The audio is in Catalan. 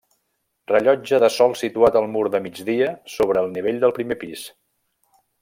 Rellotge de sol situat al mur de migdia sobre el nivell del primer pis.